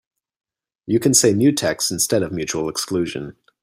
You can say mutex instead of mutual exclusion.